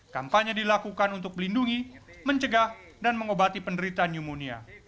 kampanye dilakukan untuk melindungi mencegah dan mengobati penderitaan pneumonia